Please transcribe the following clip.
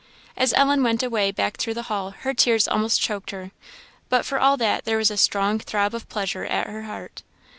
As Ellen went away back through the hall, her tears almost choked her; but for all that there was a strong throb of pleasure at her heart.